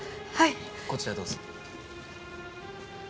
こちらへどうぞ。